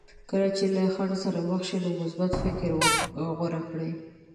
کله چې له خنډ سره مخ شئ نو مثبت فکر غوره کړئ.